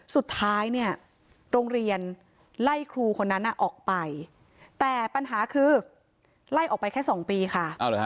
สุดท้ายเนี่ยโรงเรียนไล่ครูคนนั้นออกไปแต่ปัญหาคือไล่ออกไปแค่๒ปีค่ะ